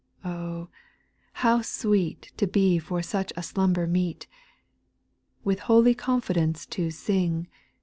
Oh, how sweet To be for such a slumber meet 1 "With holy confidence to sing.